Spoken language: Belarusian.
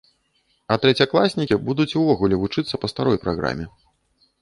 А трэцякласнікі будуць увогуле вучыцца па старой праграме.